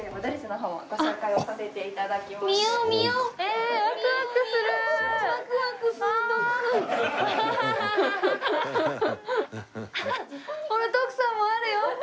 ほら徳さんもあるよ。